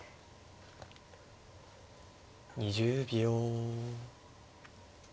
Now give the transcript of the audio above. ２０秒。